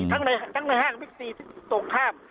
ครั้งนี้ข้างในห้างวิติต้องค่ำ